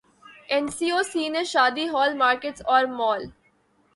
N C O C نے شادی hall, markets اور مال